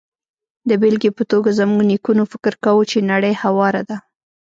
د بېلګې په توګه، زموږ نیکونو فکر کاوه چې نړۍ هواره ده.